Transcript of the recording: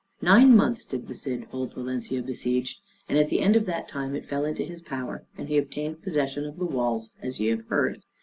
Nine months did the Cid hold Valencia besieged, and at the end of that time it fell into his power, and he obtained possession of the walls, as ye have heard.